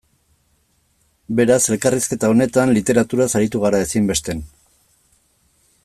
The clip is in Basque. Beraz, elkarrizketa honetan, literaturaz aritu gara ezinbestean.